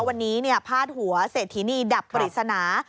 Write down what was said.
วันนี้พาดหัวเศรษฐีนีดับปริศนา